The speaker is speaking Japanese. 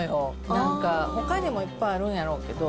なんか、ほかにもいっぱいあるんやろうけど。